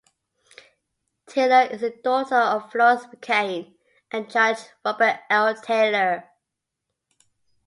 Taylor is the daughter of Florence McCain and Judge Robert L. Taylor.